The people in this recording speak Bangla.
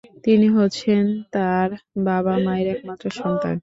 তিনি হচ্ছেন তার বাবা-মায়ের একমাত্র সন্তান।